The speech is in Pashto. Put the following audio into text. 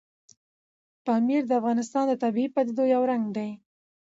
پامیر د افغانستان د طبیعي پدیدو یو رنګ دی.